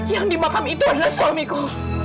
yang dimakam itu adalah suamiku